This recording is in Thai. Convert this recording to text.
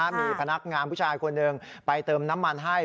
มีพนักงานผู้ชายคนหนึ่งไปเติมน้ำมันให้